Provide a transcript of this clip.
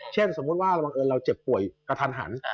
เช่นสมมุติว่าเราเจ็บป่วยกระทัน